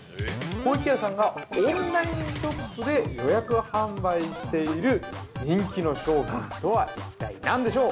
湖池屋さんがオンラインショップで予約販売している人気の商品とは一体何でしょう。